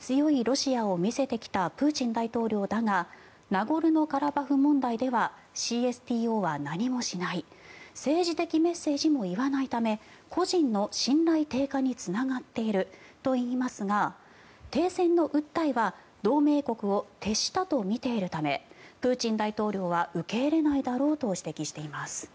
強いロシアを見せてきたプーチン大統領だがナゴルノカラバフ問題ではＣＳＴＯは何もしない政治的メッセージも言わないため個人の信頼低下につながっているといいますが停戦の訴えは同盟国を手下と見ているためプーチン大統領は受け入れないだろうと指摘しています。